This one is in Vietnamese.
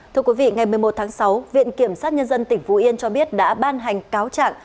thưa quý vị ngày một mươi một tháng sáu viện kiểm sát nhân dân tỉnh phú yên cho biết đã ban hành cáo trạng